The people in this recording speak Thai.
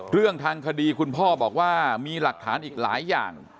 เรื่องทางคดีคุณพ่อบอกว่ามีหลักฐานอีกหลายอย่าง